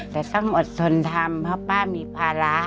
แต่ต้องอดทนทำเพราะป้ามีภาระ